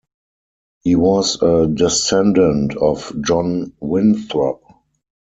He was a descendant of John Winthrop.